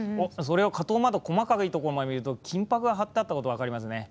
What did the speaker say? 花頭窓、細かいところまで見ると金ぱくが貼ってあったことが分かりますね。